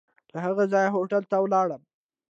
له هغه ځایه هوټل ته ولاړو.